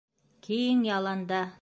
Ки-иң яланда.